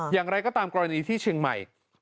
อย่างไรก็ตามกรณีที่เชียงใหม่